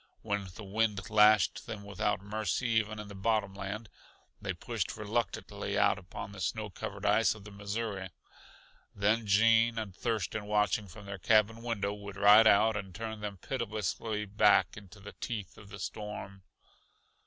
When the wind lashed them without mercy even in the bottom land, they pushed reluctantly out upon the snow covered ice of the Missouri. Then Gene and Thurston watching from their cabin window would ride out and turn them pitilessly back into the teeth of the storm.